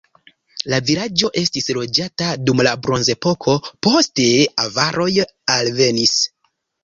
La vilaĝo estis loĝata dum la bronzepoko, poste avaroj alvenis.